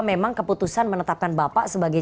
memang keputusan menetapkan bapak sebagai